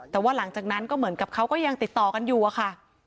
แต่ว่าหลังจากนั้นก็เหมือนกับเขาก็ยังติดต่อกันอยู่อะค่ะ